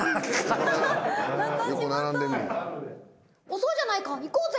遅いじゃないか行こうぜ。